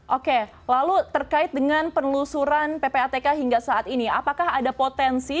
oke lalu terkait dengan penelusuran ppatk hingga saat ini apakah ada potensi